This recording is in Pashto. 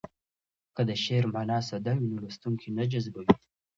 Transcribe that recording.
که د شعر مانا ساده وي نو لوستونکی نه جذبوي.